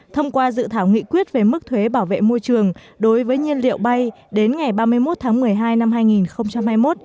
thông qua dự thảo nghị quyết về mức thuế bảo vệ môi trường đối với nhiên liệu bay đến ngày ba mươi một tháng một mươi hai năm hai nghìn hai mươi một